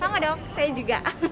sama dong saya juga